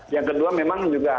yang kedua memang juga